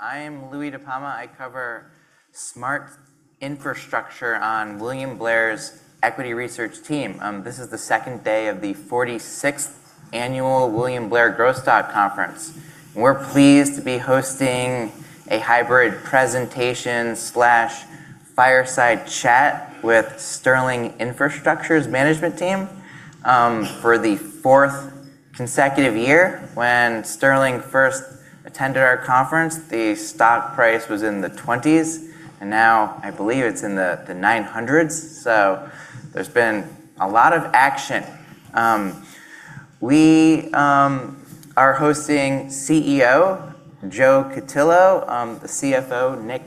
I am Louie DiPalma. I cover smart infrastructure on William Blair's equity research team. This is the second day of the 46 Annual William Blair Growth Stock Conference. We're pleased to be hosting a hybrid presentation/fireside chat with Sterling Infrastructure's management team, for the fourth consecutive year. When Sterling first attended our conference, the stock price was in the 20s, and now I believe it's in the 900s. There's been a lot of action. We are hosting CEO Joe Cutillo, CFO Nick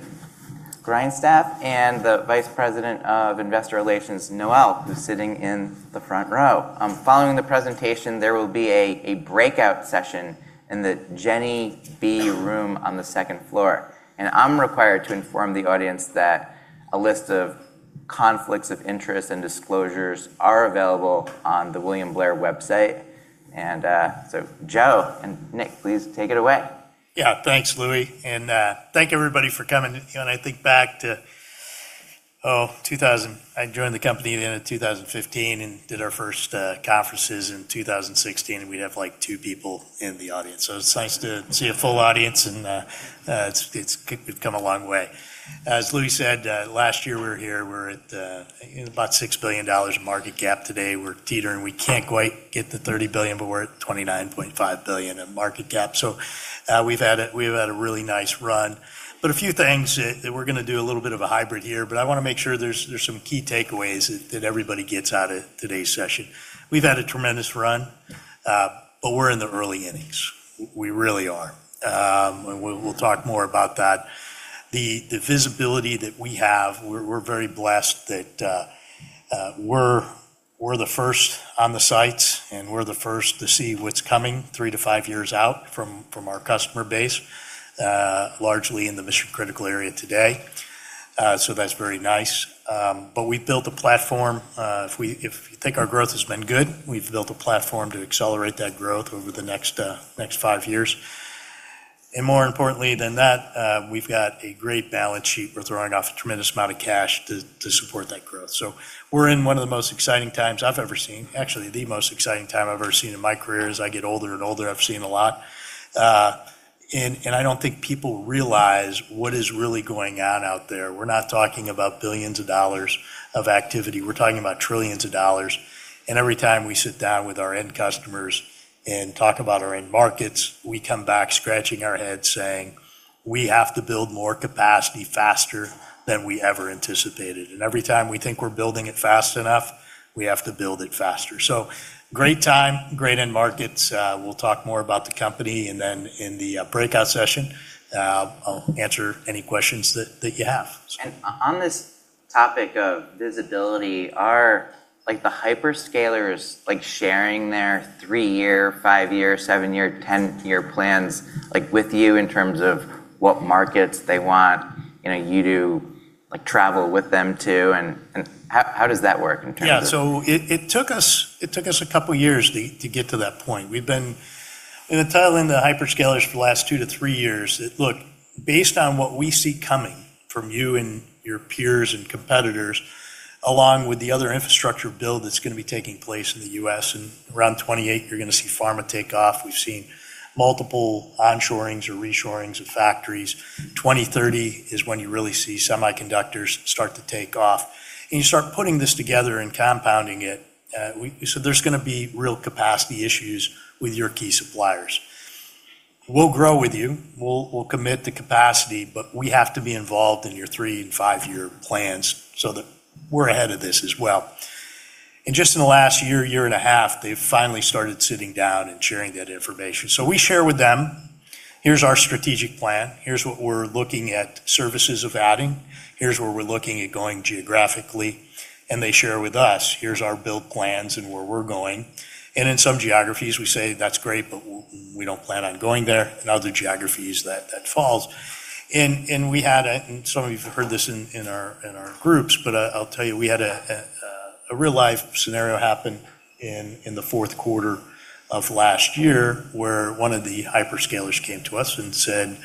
Grindstaff, and the Vice President of Investor Relations, Noelle, who's sitting in the front row. Following the presentation, there will be a breakout session in the Jenny B room on the second floor. I'm required to inform the audience that a list of conflicts of interest and disclosures are available on the William Blair website. Joe and Nick, please take it away. Thanks, Louie. Thank you, everybody, for coming. When I think back to 2000, I joined the company at the end of 2015 and did our first conferences in 2016, and we'd have two people in the audience. It's nice to see a full audience and we've come a long way. As Louie said, last year we were here, we were at about $6 billion of market cap. Today, we're teetering. We can't quite get to $30 billion, we're at $29.5 billion in market cap. We've had a really nice run. A few things that we're going to do a little bit of a hybrid here, but I want to make sure there's some key takeaways that everybody gets out of today's session. We've had a tremendous run, but we're in the early innings. We really are. We'll talk more about that. The visibility that we have, we're very blessed that we're the first on the sites, and we're the first to see what's coming three to five years out from our customer base, largely in the mission-critical area today. That's very nice. We've built a platform. If you think our growth has been good, we've built a platform to accelerate that growth over the next five years. More importantly than that, we've got a great balance sheet. We're throwing off a tremendous amount of cash to support that growth. We're in one of the most exciting times I've ever seen. Actually, the most exciting time I've ever seen in my career. As I get older and older, I've seen a lot. I don't think people realize what is really going on out there. We're not talking about billions of dollars of activity. We're talking about trillions of dollars. Every time we sit down with our end customers and talk about our end markets, we come back scratching our heads saying, "We have to build more capacity faster than we ever anticipated." Every time we think we're building it fast enough, we have to build it faster. Great time, great end markets. We'll talk more about the company, and then in the breakout session, I'll answer any questions that you have. On this topic of visibility, are the hyperscalers sharing their three-year, five-year, seven-year, 10-year plans with you in terms of what markets they want you to travel with them to, and how does that work? Yeah. It took us a couple of years to get to that point. We've been in a tie with the hyperscalers for the last two to three years that, look, based on what we see coming from you and your peers and competitors, along with the other infrastructure build that's going to be taking place in the U.S., around 2028 you're going to see pharma take off. We've seen multiple onshoring or reshoring of factories. 2030 is when you really see semiconductors start to take off. You start putting this together and compounding it. There's going to be real capacity issues with your key suppliers. We'll grow with you. We'll commit the capacity, but we have to be involved in your three and five-year plans so that we're ahead of this as well. Just in the last year and a half, they've finally started sitting down and sharing that information. We share with them, "Here's our strategic plan. Here's what we're looking at services of adding. Here's where we're looking at going geographically." They share with us, "Here's our build plans and where we're going." In some geographies, we say, "That's great, but we don't plan on going there." In other geographies, that falls. Some of you have heard this in our groups, but I'll tell you, we had a real-life scenario happen in the fourth quarter of last year where one of the hyperscalers came to us and said,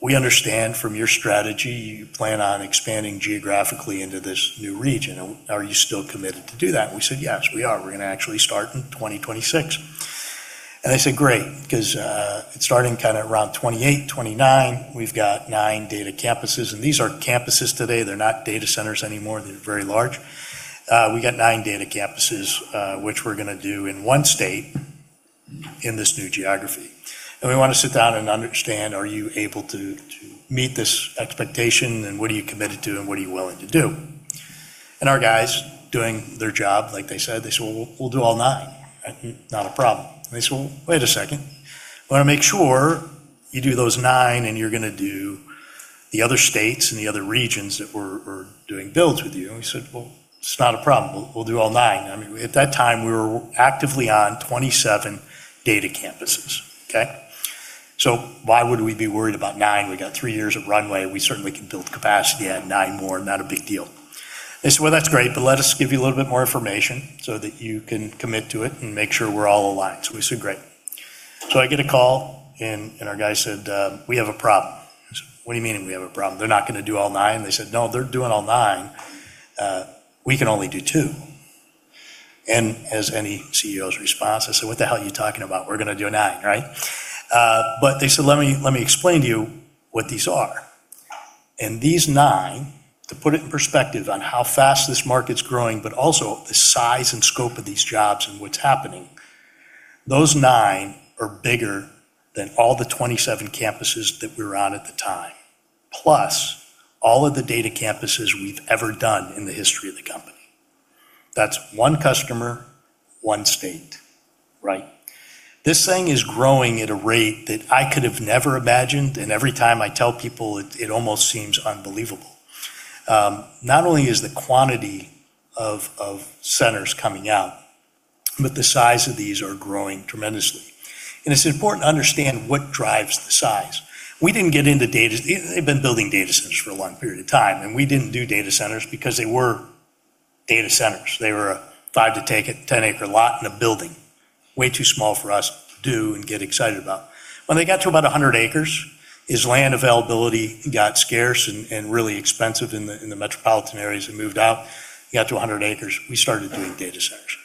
"We understand from your strategy you plan on expanding geographically into this new region. Are you still committed to do that?" We said, "Yes, we are. We're going to actually start in 2026." They said, "Great, because, starting around 2028, 2029, we've got nine data campuses." These are campuses today. They're not data centers anymore. They're very large. We got nine data campuses, which we're going to do in one state in this new geography. We want to sit down and understand, are you able to meet this expectation, and what are you committed to, and what are you willing to do? Our guys, doing their job, like they said, they said, "We'll do all nine. Not a problem." They said, "Well, wait a second. We want to make sure you do those nine, and you're going to do the other states and the other regions that we're doing builds with you." We said, "Well, it's not a problem. We'll do all nine." At that time, we were actively on 27 data campuses, okay? Why would we be worried about nine? We got three years of runway. We certainly can build capacity at nine more. Not a big deal. They said, "Well, that's great, but let us give you a little bit more information so that you can commit to it and make sure we're all aligned." We said, "Great." I get a call and our guy said, "We have a problem." I said, "What do you mean we have a problem? They're not going to do all nine?" They said, "No, they're doing all nine. We can only do two." As any CEO's response, I said, "What the hell are you talking about? We're going to do nine, right?" They said, "Let me explain to you what these are." These nine, to put it in perspective on how fast this market's growing, but also the size and scope of these jobs and what's happening, those nine are bigger than all the 27 campuses that we were on at the time. Plus all of the data campuses we've ever done in the history of the company. That's one customer, one state. Right? This thing is growing at a rate that I could have never imagined, and every time I tell people, it almost seems unbelievable. Not only is the quantity of centers coming out, but the size of these are growing tremendously. It's important to understand what drives the size. We didn't get into data. They've been building data centers for a long period of time. We didn't do data centers because they were data centers. They were a five-to-10-acre lot and a building. Way too small for us to do and get excited about. When they got to about 100 acres, as land availability got scarce and really expensive in the metropolitan areas and moved out, got to 100 acres, we started doing data centers.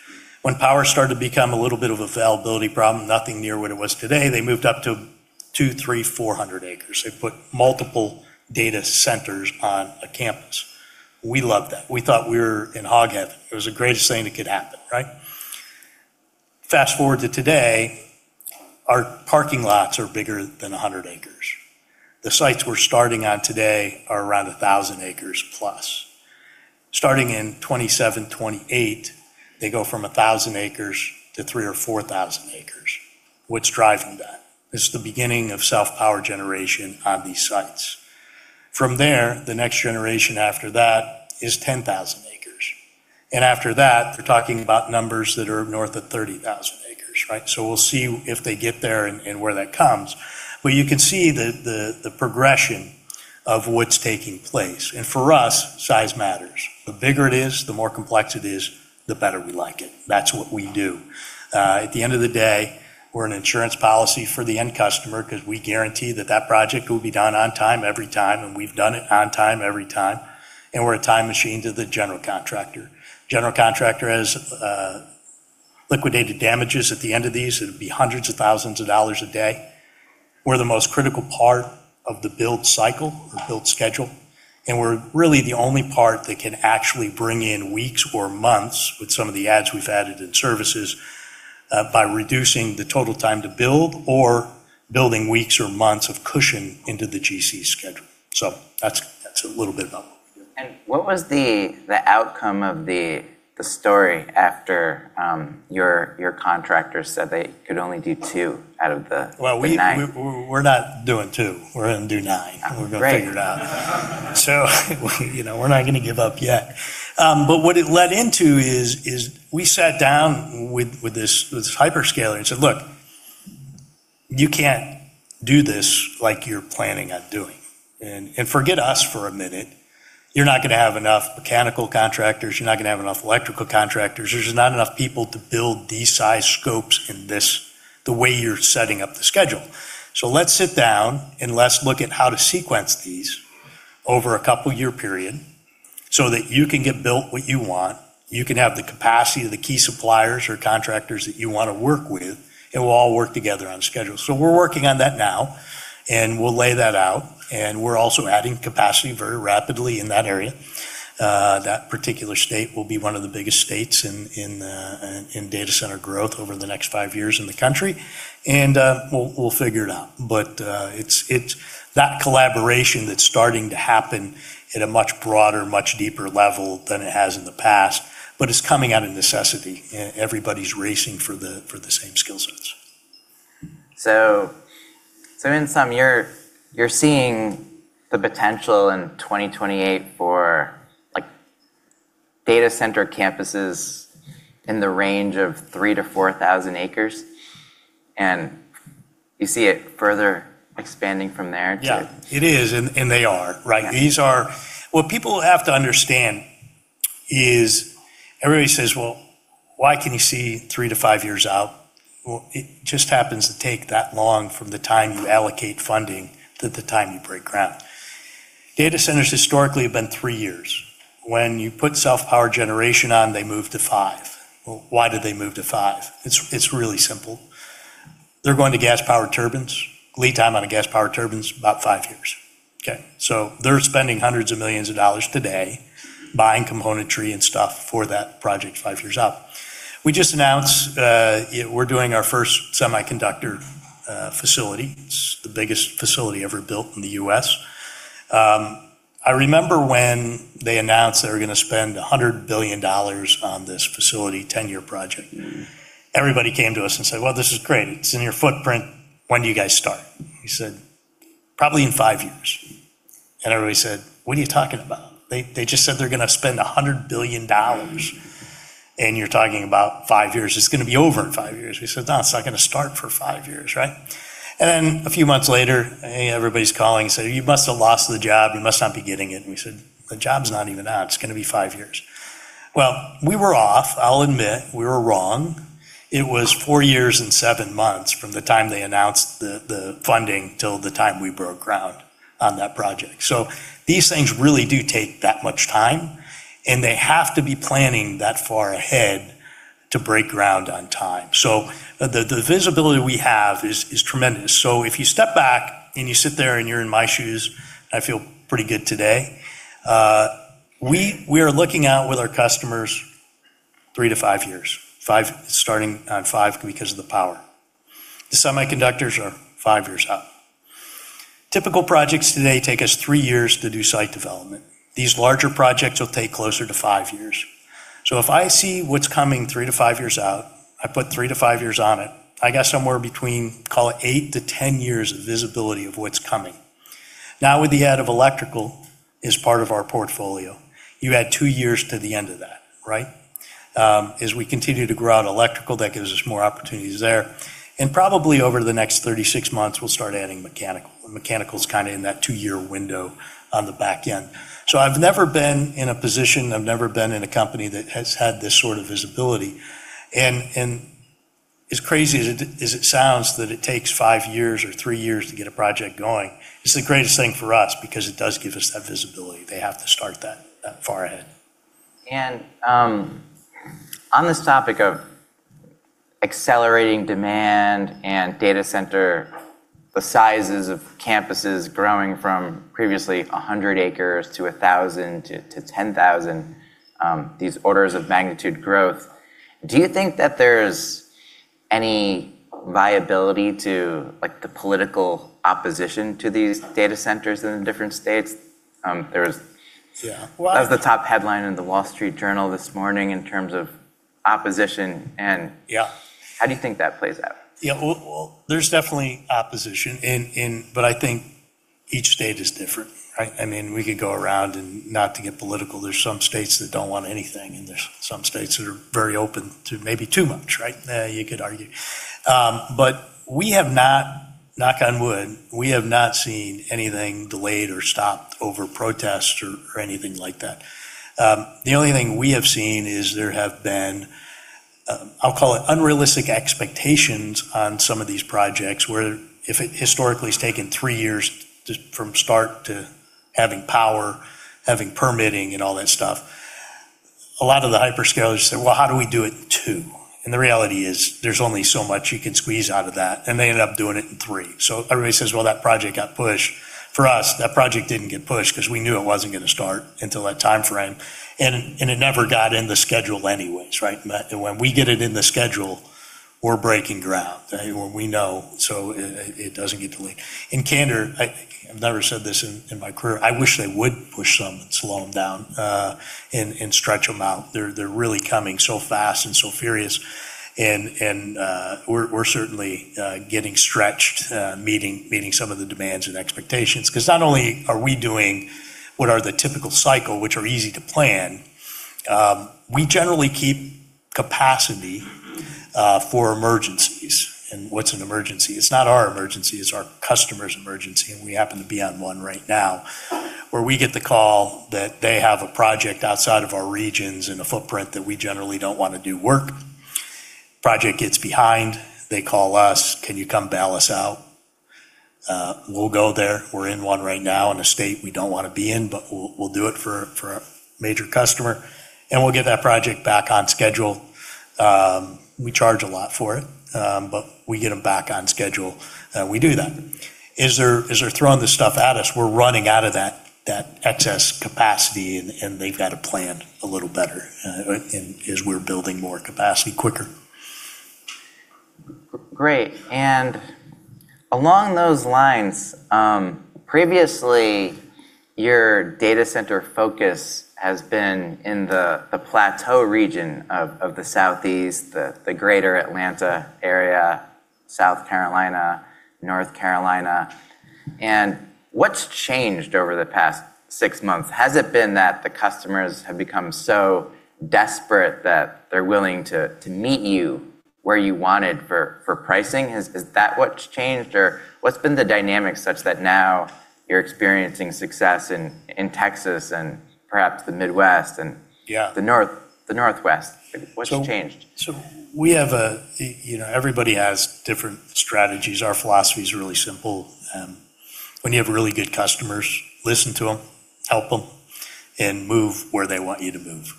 When power started to become a little bit of availability problem, nothing near what it was today, they moved up to 200, 300, 400 acres. They put multiple data centers on a campus. We loved that. We thought we were in hog heaven. It was the greatest thing that could happen, right? Fast-forward to today, our parking lots are bigger than 100 acres. The sites we're starting on today are around 1,000 acres plus. Starting in 2027, 2028, they go from 1,000 acres to 3,000 or 4,000 acres. What's driving that? It's the beginning of self-power generation on these sites. From there, the next generation after that is 10,000 acres. After that, we're talking about numbers that are north of 30,000 acres, right? We'll see if they get there and where that comes. You can see the progression of what's taking place. For us, size matters. The bigger it is, the more complex it is, the better we like it. That's what we do. At the end of the day, we're an insurance policy for the end customer because we guarantee that that project will be done on time, every time, and we've done it on time every time. We're a time machine to the general contractor. General contractor has liquidated damages at the end of these. It'll be hundreds of thousands of dollars a day. We're the most critical part of the build cycle or build schedule, and we're really the only part that can actually bring in weeks or months with some of the adds we've added in services, by reducing the total time to build or building weeks or months of cushion into the GC's schedule. That's a little bit about what we do. What was the outcome of the story after your contractors said they could only do two out of the nine? Well, we're not doing two. We're going to do nine. Great. We're going to figure it out. We're not going to give up yet. What it led into is we sat down with this hyperscaler and said, "Look, you can't do this like you're planning on doing. Forget us for a minute. You're not going to have enough mechanical contractors. You're not going to have enough electrical contractors. There's just not enough people to build these size scopes the way you're setting up the schedule. Let's sit down and let's look at how to sequence these over a couple year period so that you can get built what you want, you can have the capacity of the key suppliers or contractors that you want to work with, and we'll all work together on schedule." We're working on that now, and we'll lay that out. We're also adding capacity very rapidly in that area. That particular state will be one of the biggest states in data center growth over the next five years in the country. We'll figure it out. It's that collaboration that's starting to happen at a much broader, much deeper level than it has in the past, but it's coming out of necessity. Everybody's racing for the same skill sets. In sum, you're seeing the potential in 2028 for data center campuses in the range of 3,000-4,000 acres? You see it further expanding from there, too? Yeah, it is. They are, right? Yeah. What people have to understand is everybody says, "Well, why can you see three to five years out?" Well, it just happens to take that long from the time you allocate funding to the time you break ground. Data centers historically have been three years. When you put self-power generation on, they move to five. Well, why did they move to five? It's really simple. They're going to gas-powered turbines. Lead time on a gas-powered turbine is about five years. Okay? They're spending $hundreds of millions today buying componentry and stuff for that project five years out. We just announced we're doing our first semiconductor facility. It's the biggest facility ever built in the U.S. I remember when they announced they were going to spend $100 billion on this facility, 10-year project. Everybody came to us and said, "Well, this is great. It's in your footprint. When do you guys start?" We said, "Probably in five years." Everybody said, "What are you talking about? They just said they're going to spend $100 billion. You're talking about five years. It's going to be over in five years." We said, "No, it's not going to start for five years," right? A few months later, everybody's calling saying, "You must have lost the job. You must not be getting it." We said, "The job's not even out. It's going to be five years." Well, we were off. I'll admit, we were wrong. It was four years and seven months from the time they announced the funding till the time we broke ground on that project. These things really do take that much time, and they have to be planning that far ahead to break ground on time. The visibility we have is tremendous. If you step back and you sit there and you're in my shoes, I feel pretty good today. We are looking out with our customers three to five years. Five, starting on five because of the power. The semiconductors are five years out. Typical projects today take us three years to do site development. These larger projects will take closer to five years. If I see what's coming three to five years out, I put three to five years on it. I got somewhere between, call it, eight to 10 years of visibility of what's coming. Now, with the add of electrical as part of our portfolio, you add two years to the end of that, right? As we continue to grow out electrical, that gives us more opportunities there. Probably over the next 36 months, we'll start adding mechanical. Mechanical's kind of in that two-year window on the back end. I've never been in a position, I've never been in a company that has had this sort of visibility. As crazy as it sounds that it takes five years or three years to get a project going, it's the greatest thing for us because it does give us that visibility. They have to start that far ahead. On this topic of accelerating demand and data center, the sizes of campuses growing from previously 100 acres to 1,000 to 10,000, these orders of magnitude growth, do you think that there's any viability to the political opposition to these data centers in different states? Yeah. That was the top headline in The Wall Street Journal this morning in terms of opposition. Yeah How do you think that plays out? Yeah. Well, there's definitely opposition, but I think each state is different. We could go around, and not to get political, there's some states that don't want anything, and there's some states that are very open to maybe too much, right? You could argue. We have not, knock on wood, we have not seen anything delayed or stopped over protests or anything like that. The only thing we have seen is there have been, I'll call it unrealistic expectations on some of these projects, where if it historically has taken three years from start to having power, having permitting and all that stuff, a lot of the hyperscalers say, "Well, how do we do it in two?" The reality is, there's only so much you can squeeze out of that, and they end up doing it in three. Everybody says, "Well, that project got pushed." For us, that project didn't get pushed because we knew it wasn't going to start until that timeframe, and it never got in the schedule anyway, right? When we get it in the schedule, we're breaking ground, when we know, so it doesn't get delayed. In candor, I've never said this in my career, I wish they would push some and slow them down and stretch them out. They're really coming so fast and so furious, and we're certainly getting stretched meeting some of the demands and expectations. Not only are we doing what are the typical cycle, which are easy to plan, we generally keep capacity for emergencies. What's an emergency? It's not our emergency, it's our customer's emergency, and we happen to be on one right now, where we get the call that they have a project outside of our regions in a footprint that we generally don't want to do work. Project gets behind, they call us, "Can you come bail us out?" We'll go there. We're in one right now in a state we don't want to be in, but we'll do it for a major customer, and we'll get that project back on schedule. We charge a lot for it, but we get them back on schedule. We do that. As they're throwing this stuff at us, we're running out of that excess capacity, and they've got to plan a little better as we're building more capacity quicker. Great. Along those lines, previously, your data center focus has been in the Plateau region of the Southeast, the Greater Atlanta area, South Carolina, North Carolina. What's changed over the past six months? Has it been that the customers have become so desperate that they're willing to meet you where you wanted for pricing? Is that what's changed? What's been the dynamic such that now you're experiencing success in Texas and perhaps the Midwest? Yeah the Northwest? What's changed? Everybody has different strategies. Our philosophy's really simple. When you have really good customers, listen to them, help them, and move where they want you to move.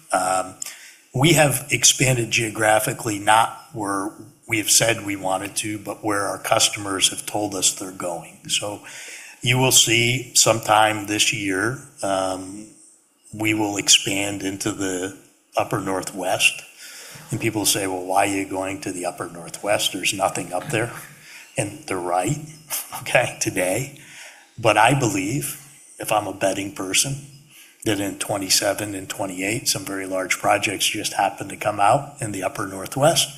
We have expanded geographically not where we have said we wanted to, but where our customers have told us they're going. You will see sometime this year, we will expand into the upper Northwest. People will say, "Well, why are you going to the upper Northwest? There's nothing up there." They're right, okay, today. I believe, if I'm a betting person, that in 2027 and 2028, some very large projects just happen to come out in the upper Northwest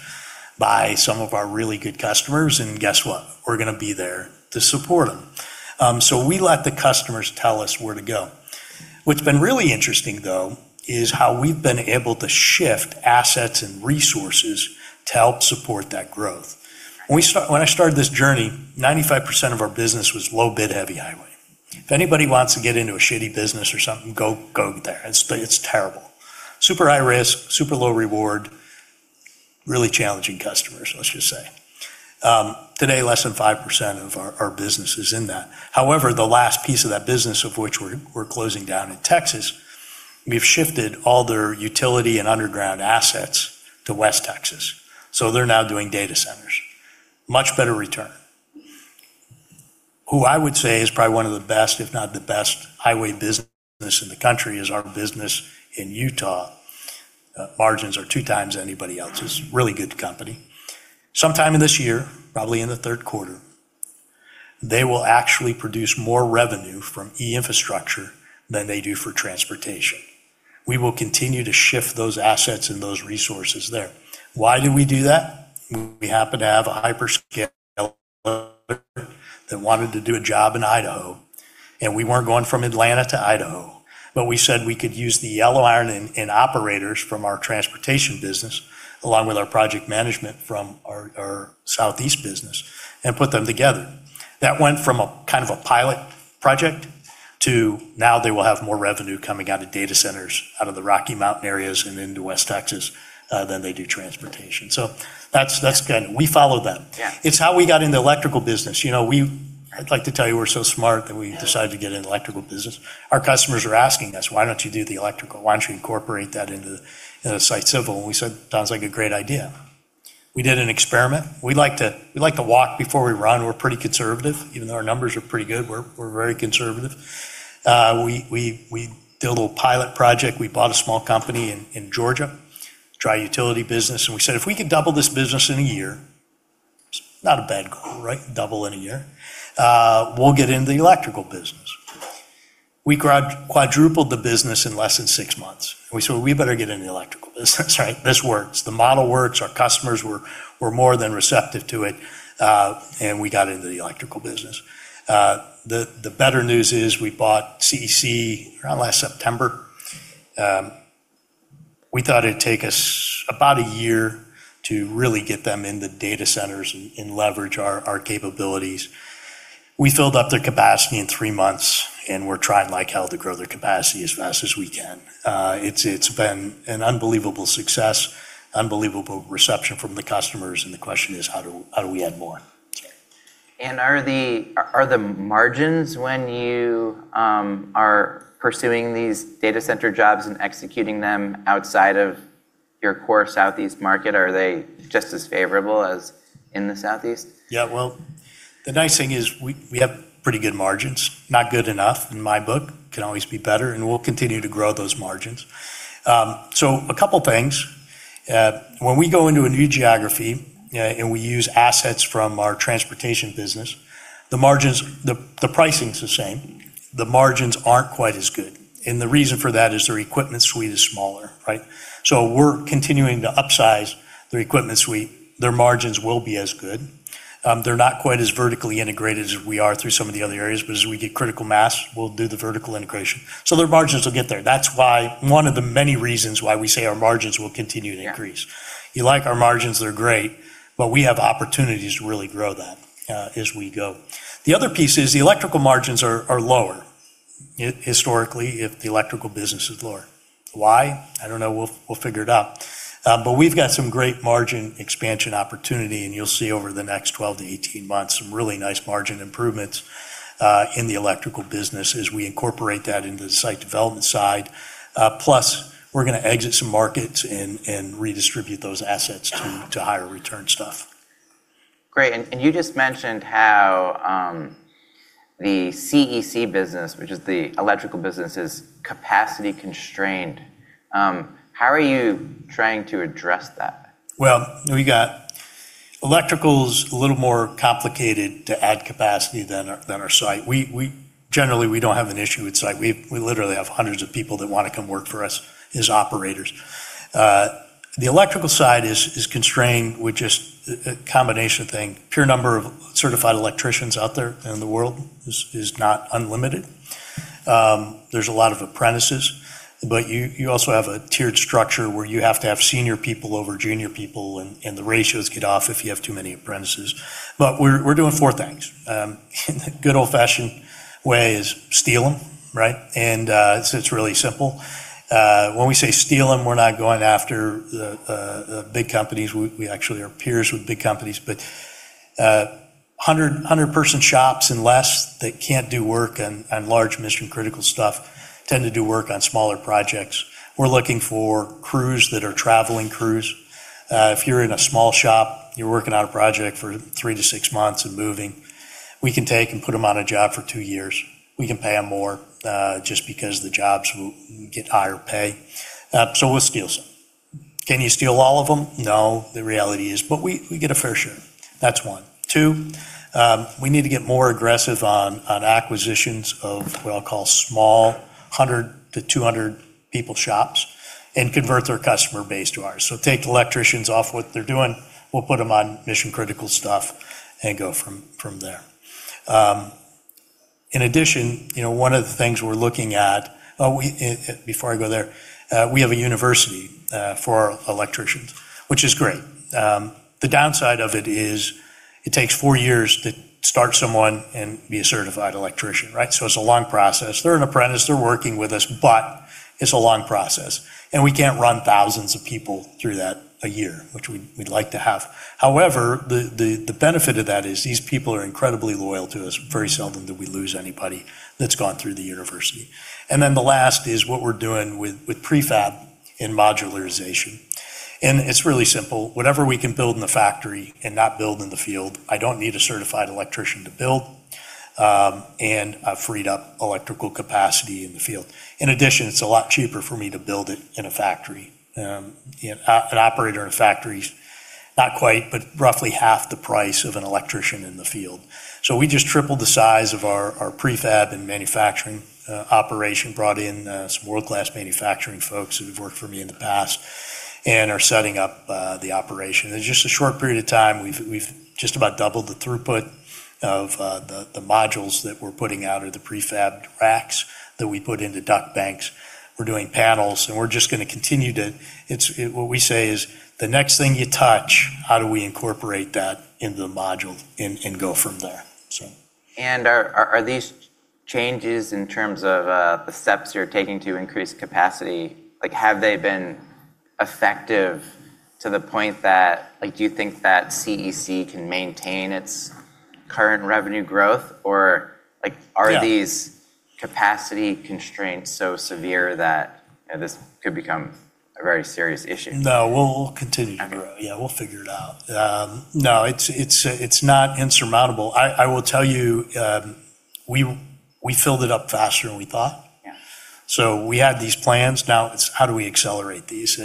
by some of our really good customers. Guess what? We're going to be there to support them. We let the customers tell us where to go. What's been really interesting, though, is how we've been able to shift assets and resources to help support that growth. When I started this journey, 95% of our business was low bid, heavy highway. If anybody wants to get into a bad business or something, go there. It's terrible. Super high risk, super low reward, really challenging customers, let's just say. Today, less than 5% of our business is in that. The last piece of that business, of which we're closing down in Texas, we've shifted all their utility and underground assets to West Texas. They're now doing data centers. Much better return. Who I would say is probably one of the best, if not the best highway business in the country is our business in Utah. Margins are two times anybody else's. Really good company. Sometime in this year, probably in the third quarter, they will actually produce more revenue from e-infrastructure than they do for transportation. We will continue to shift those assets and those resources there. Why do we do that? We happen to have a hyperscaler that wanted to do a job in Idaho, and we weren't going from Atlanta to Idaho. We said we could use the yellow iron and operators from our transportation business, along with our project management from our southeast business, and put them together. That went from a pilot project to now they will have more revenue coming out of data centers out of the Rocky Mountain areas and into West Texas, than they do transportation. That's good. We follow them. Yeah. It's how we got in the electrical business. I'd like to tell you we're so smart that we decided to get in the electrical business. Our customers are asking us, "Why don't you do the electrical? Why don't you incorporate that into the site civil?" We said, "Sounds like a great idea." We did an experiment. We like to walk before we run. We're pretty conservative. Even though our numbers are pretty good, we're very conservative. We did a little pilot project. We bought a small company in Georgia, tri-utility business. We said, "If we could double this business in a year." It's not a bad goal, right? Double it in a year. "We'll get into the electrical business." We quadrupled the business in less than six months. We said, "Well, we better get in the electrical business," right? This works. The model works. Our customers were more than receptive to it. We got into the electrical business. The better news is we bought CEC around last September. We thought it'd take us about a year to really get them into data centers and leverage our capabilities. We filled up their capacity in three months, and we're trying like hell to grow their capacity as fast as we can. It's been an unbelievable success, unbelievable reception from the customers, and the question is, how do we add more? Are the margins when you are pursuing these data center jobs and executing them outside of your core southeast market, are they just as favorable as in the southeast? Yeah. Well, the nice thing is we have pretty good margins. Not good enough in my book, can always be better, and we'll continue to grow those margins. A couple things. When we go into a new geography and we use assets from our transportation business, the pricing's the same. The margins aren't quite as good. The reason for that is their equipment suite is smaller, right? We're continuing to upsize their equipment suite. Their margins will be as good. They're not quite as vertically integrated as we are through some of the other areas, but as we get critical mass, we'll do the vertical integration. Their margins will get there. That's one of the many reasons why we say our margins will continue to increase. Yeah. You like our margins, they're great, but we have opportunities to really grow that as we go. The other piece is the electrical margins are lower. Historically, the electrical business is lower. Why? I don't know. We'll figure it out. We've got some great margin expansion opportunity, and you'll see over the next 12 to 18 months some really nice margin improvements in the electrical business as we incorporate that into the site development side. We're going to exit some markets and redistribute those assets to higher return stuff. Great. You just mentioned how the CEC business, which is the electrical business, is capacity constrained. How are you trying to address that? Well, electrical's a little more complicated to add capacity than our site. Generally, we don't have an issue with site. We literally have hundreds of people that want to come work for us as operators. The electrical side is constrained with just a combination of things. Pure number of certified electricians out there in the world is not unlimited. There's a lot of apprentices, but you also have a tiered structure where you have to have senior people over junior people, and the ratios get off if you have too many apprentices. We're doing four things. The good old-fashioned way is steal them, right? It's really simple. When we say steal them, we're not going after the big companies. We actually are peers with big companies, but 100-person shops and less that can't do work on large mission critical stuff tend to do work on smaller projects. We're looking for crews that are traveling crews. If you're in a small shop, you're working on a project for three to six months and moving, we can take and put them on a job for two years. We can pay them more, just because the jobs get higher pay. We'll steal some. Can you steal all of them? No, the reality is. We get a fair share. That's one. Two, we need to get more aggressive on acquisitions of what I'll call small 100 to 200 people shops and convert their customer base to ours. Take electricians off what they're doing, we'll put them on mission-critical stuff and go from there. In addition, one of the things we're looking at. Oh, before I go there, we have a university for our electricians, which is great. The downside of it is it takes four years to start someone and be a certified electrician, right? It's a long process. They're an apprentice, they're working with us, but it's a long process, and we can't run thousands of people through that a year, which we'd like to have. The benefit of that is these people are incredibly loyal to us. Very seldom do we lose anybody that's gone through the university. The last is what we're doing with prefab and modularization, and it's really simple. Whatever we can build in the factory and not build in the field, I don't need a certified electrician to build, and I've freed up electrical capacity in the field. It's a lot cheaper for me to build it in a factory. An operator in a factory, not quite but roughly half the price of an electrician in the field. We just tripled the size of our prefab and manufacturing operation, brought in some world-class manufacturing folks who have worked for me in the past and are setting up the operation. In just a short period of time, we've just about doubled the throughput of the modules that we're putting out, or the prefabbed racks that we put into duct banks. We're doing panels, and we're just going to continue to what we say is, "The next thing you touch, how do we incorporate that into the module and go from there? Are these changes in terms of the steps you're taking to increase capacity, have they been effective to the point that, do you think that CEC can maintain its current revenue growth? Yeah Are these capacity constraints so severe that this could become a very serious issue? No, we'll continue to grow. Okay. Yeah, we'll figure it out. No, it's not insurmountable. I will tell you, we filled it up faster than we thought. Yeah. We had these plans. Now it's how do we accelerate these?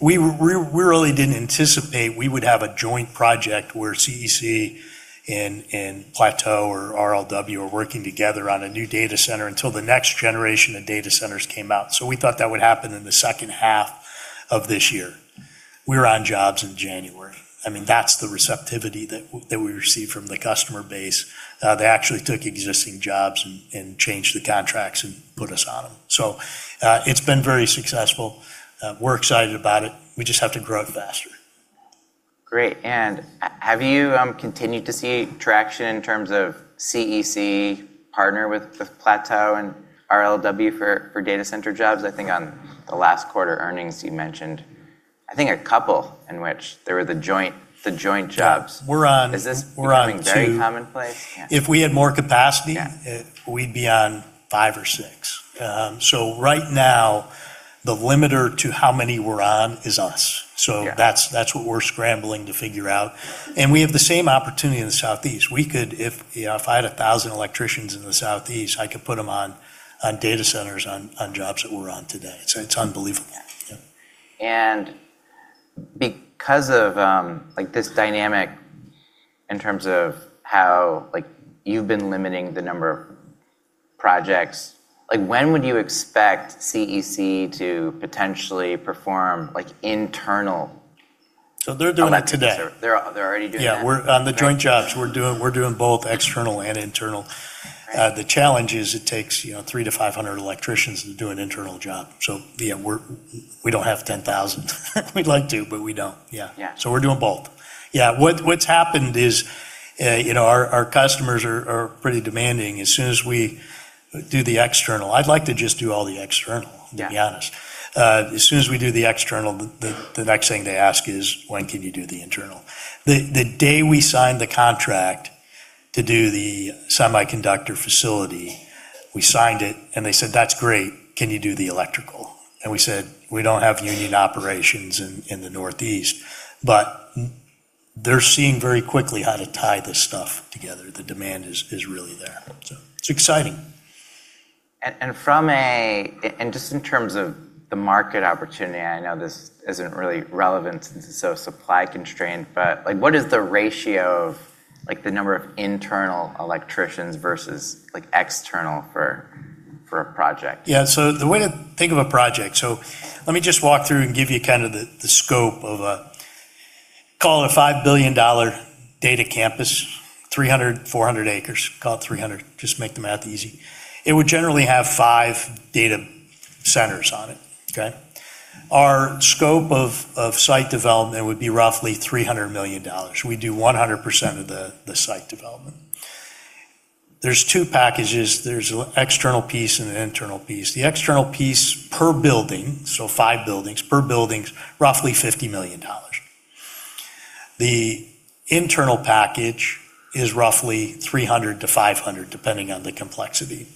We really didn't anticipate we would have a joint project where CEC and Plateau or RLW are working together on a new data center until the next generation of data centers came out. We thought that would happen in the second half of this year. We were on jobs in January. That's the receptivity that we received from the customer base. They actually took existing jobs and changed the contracts and put us on them. It's been very successful. We're excited about it. We just have to grow faster. Great, have you continued to see traction in terms of CEC partner with Plateau and RLW for data center jobs? I think on the last quarter earnings, you mentioned I think a couple in which there were the joint jobs. Yeah. Is this becoming very commonplace? Yeah. If we had more capacity- Yeah we'd be on five or six. Right now, the limiter to how many we're on is us. Yeah. That's what we're scrambling to figure out, and we have the same opportunity in the Southeast. If I had 1,000 electricians in the Southeast, I could put them on data centers on jobs that we're on today. It's unbelievable. Yeah. Yeah. Because of this dynamic in terms of how you've been limiting the number of projects, when would you expect CEC to potentially perform? They're doing that today. electricians. They're already doing that? Yeah. Okay. On the joint jobs, we're doing both external and internal. Great. The challenge is it takes three to 500 electricians to do an internal job. Yeah, we don't have 10,000. We'd like to, but we don't. Yeah. Yeah. We're doing both. Yeah. What's happened is our customers are pretty demanding. As soon as we do the external. Yeah To be honest. As soon as we do the external, the next thing they ask is, "When can you do the internal?" The day we signed the contract to do the semiconductor facility, we signed it, and they said, "That's great. Can you do the electrical?" We said, "We don't have union operations in the Northeast." They're seeing very quickly how to tie this stuff together. The demand is really there, so it's exciting. Just in terms of the market opportunity, I know this isn't really relevant since it's so supply-constrained, but what is the ratio of the number of internal electricians versus external for a project? Yeah. The way to think of a project, let me just walk through and give you kind of the scope of a, call it a $5 billion data campus, 300, 400 acres. Call it 300, just to make the math easy. It would generally have five data centers on it, okay? Our scope of site development would be roughly $300 million. We do 100% of the site development. There's two packages. There's an external piece and an internal piece. The external piece, per building, so five buildings, per building is roughly $50 million. The internal package is roughly $300 million to $500 million, depending on the complexity.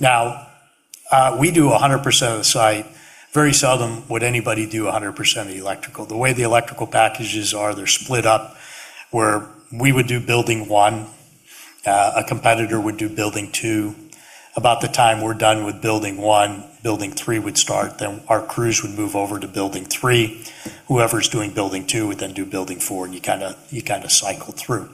We do 100% of the site. Very seldom would anybody do 100% of the electrical. The way the electrical packages are, they're split up where we would do building one, a competitor would do building two. About the time we're done with building one, building three would start. Our crews would move over to building three. Whoever's doing building two would then do building four, and you kind of cycle through.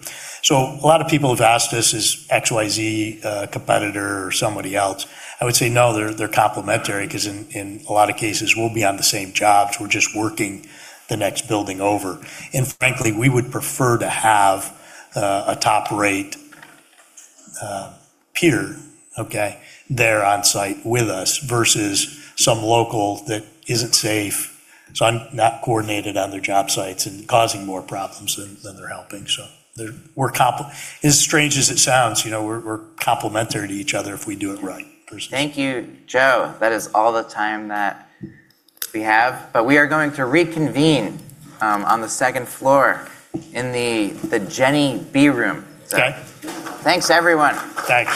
A lot of people have asked us, "Is XYZ a competitor or somebody else?" I would say no, they're complementary because in a lot of cases, we'll be on the same jobs. We're just working the next building over. Frankly, we would prefer to have a top-rate peer, okay, there on site with us versus some local that isn't safe, so not coordinated on their job sites and causing more problems than they're helping. As strange as it sounds, we're complementary to each other if we do it right, personally. Thank you, Joe. That is all the time that we have. We are going to reconvene on the second floor in the Jenny B Room. Okay. Thanks everyone. Thanks.